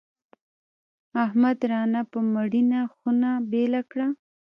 احمد رانه په مړینه خونه بېله کړه.